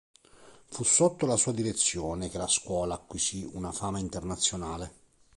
Fu sotto la sua direzione che la scuola acquisì una fama internazionale.